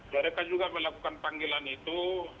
mereka juga melakukan panggilan itu